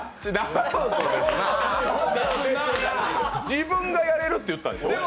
自分が、やれるって言ったんでしょう？